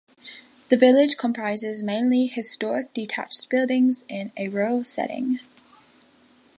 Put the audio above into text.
The village comprises mainly historic detached buildings in a rural setting.